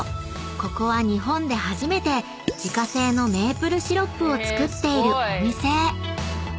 ここは日本で初めて自家製のメープルシロップを作っているお店］